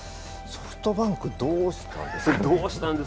ソフトバンクはどうしたんですかね